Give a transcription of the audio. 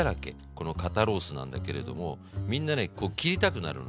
この肩ロースなんだけれどもみんなねこう切りたくなるのね。